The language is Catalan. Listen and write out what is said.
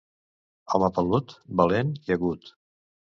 Home pelut, valent i agut.